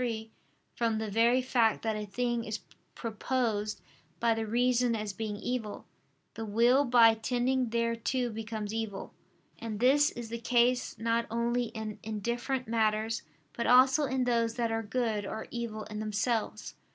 3), from the very fact that a thing is proposed by the reason as being evil, the will by tending thereto becomes evil. And this is the case not only in indifferent matters, but also in those that are good or evil in themselves.